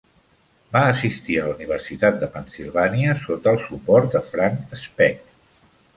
Va assistir a la Universitat de Pennsylvania sota el suport de Frank Speck.